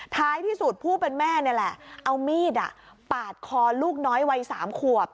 ท้ายที่สุดผู้เป็นแม่นี่แหละเอามีดปาดคอลูกน้อยวัย๓ขวบ